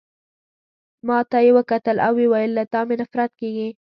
ما ته يې وکتل او ويې ویل: له تا مي نفرت کیږي.